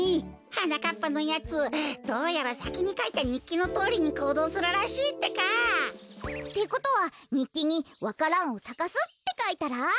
はなかっぱのやつどうやらさきにかいたにっきのとおりにこうどうするらしいってか。ってことはにっきに「わか蘭をさかす」ってかいたら？